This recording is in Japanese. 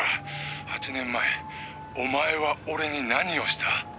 「８年前お前は俺に何をした？」